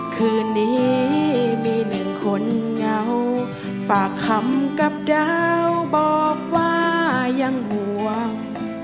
คืนนี้มีหนึ่งคนเงาฝากคำกับดาวบอกว่ายังห่วง